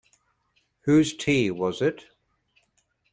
Whose tea was it?